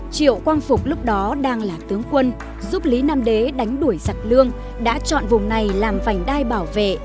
triệu quang phục lúc đó đang là tướng quân giúp lý nam đế đánh đuổi giặc lương đã chọn vùng này làm vành đai bảo vệ